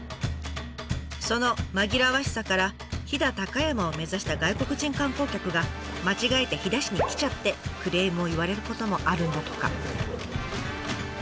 その紛らわしさから飛騨高山を目指した外国人観光客が間違えて飛騨市に来ちゃってクレームを言われることもあるんだとか。